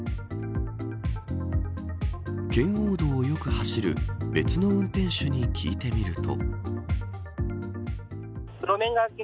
圏央道をよく走る別の運転手に聞いてみると。